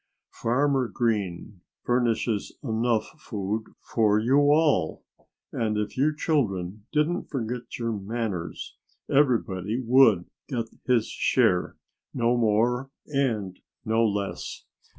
Farmer Green furnishes enough food for you all. And if you children didn't forget your manners everybody would get his share no more and no less."